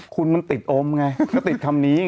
คุณมันติดอมไงก็ติดคำนี้